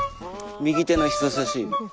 右手の人さし指。